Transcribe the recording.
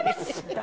誰？